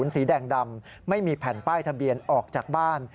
สีแดงดำไม่มีแผ่นป้ายทะเบียนออกจากบ้าน